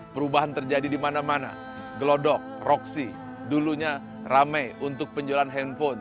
perubahan terjadi di mana mana gelodok roksi dulunya rame untuk penjualan handphone